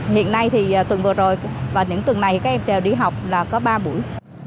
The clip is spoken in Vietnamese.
hiện nay thì tuần vừa rồi và những tuần này các em chờ đi học là có ba buổi